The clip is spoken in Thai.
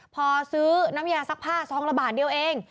พอซื้อน้ำยาซักผ้าซองละบาทเดียวเอง